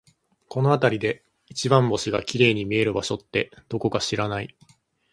この辺りで一番星が綺麗に見える場所って、どこか知らない？